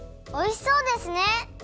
おいしそうですね！